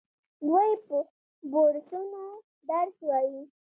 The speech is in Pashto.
دوی په بورسونو درس وايي.